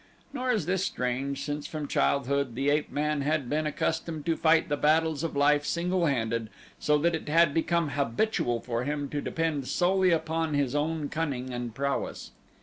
Nor is this strange, since from childhood the ape man had been accustomed to fight the battles of life single handed so that it had become habitual for him to depend solely upon his own cunning and prowess.